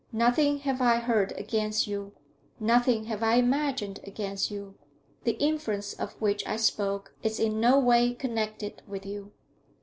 Nothing have I heard against you; nothing have I imagined against you; the influence of which I spoke is in no way connected with you.